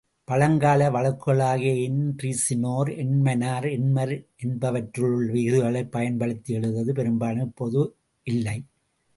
பழங்கால வழக்குகளாகிய என்றிசினோர், என்மனார், என்மர் என்பனவற்றிலுள்ள விகுதிகளைப் பயன்படுத்தி எழுதுவது பெரும்பாலும் இப்போது இல்லை.